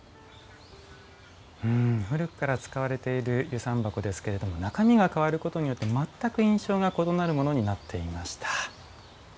古くから使われている遊山箱ですけれども中身が変わることによって全く印象が異なるものになっていました。